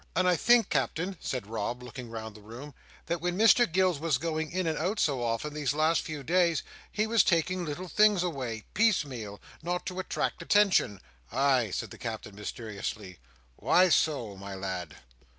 "And I think, Captain," said Rob, looking round the room, "that when Mr Gills was going in and out so often, these last few days, he was taking little things away, piecemeal, not to attract attention." "Ay!" said the Captain, mysteriously. "Why so, my lad?"